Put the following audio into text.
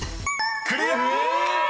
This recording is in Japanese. ［クリア！］